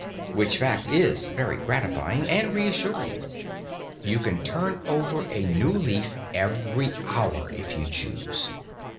Which fact is very gratifying and reassuring. You can turn over a new leaf every hour if you choose.